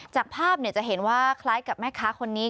จากภาพจะเห็นว่าคล้ายกับแม่ค้าคนนี้